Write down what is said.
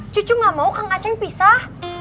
cucu gak mau kang aceh pisah